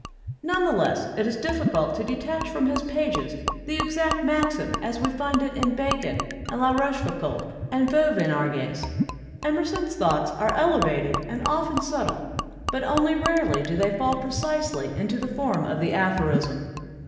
None the less is it difficult to detach from his pages the exact maxim as we find it in Bacon and La Rochefoucauld and Vauvenargues. Emerson's thoughts are elevated and often sub tle, but only rarely do they fall precisely into the form of the aphorism.